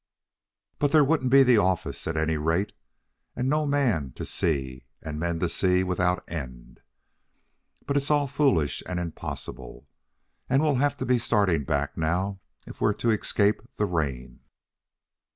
"But there wouldn't be the office, at any rate, and no man to see, and men to see without end. But it is all foolish and impossible, and we'll have to be starting back now if we're to escape the rain."